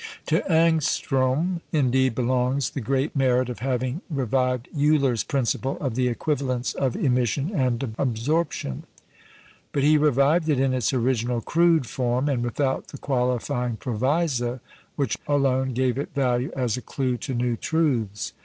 To Ångström, indeed, belongs the great merit of having revived Euler's principle of the equivalence of emission and absorption; but he revived it in its original crude form, and without the qualifying proviso which alone gave it value as a clue to new truths.